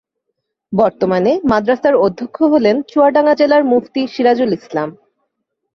বর্তমানে মাদ্রাসার অধ্যক্ষ হলেন চুয়াডাঙ্গা জেলার মুফতি সিরাজুল ইসলাম।